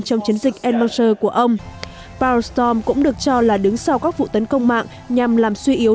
tổng thống của ông powerstorm cũng được cho là đứng sau các vụ tấn công mạng nhằm làm suy yếu